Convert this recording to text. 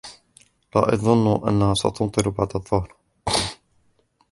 لا أظن أنها ستمطر بعد الظهر.